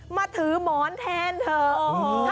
มาถือหมอนแทนเถอะ